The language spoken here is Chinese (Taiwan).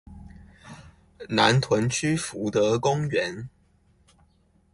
南屯區福德公園